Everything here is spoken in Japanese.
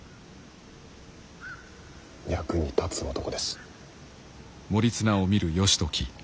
役に立つ男です。